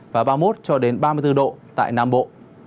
và ba mươi một ba mươi bốn độ tại nam bộ